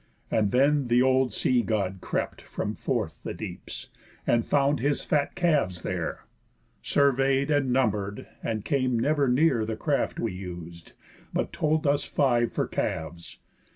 And then th' old Sea God crept From forth the deeps, and found his fat calves there, Survey'd, and number'd, and came never near The craft we us'd, but told us five for calves.